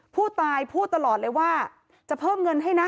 ผู้ตายพูดตลอดเลยว่าจะเพิ่มเงินให้นะ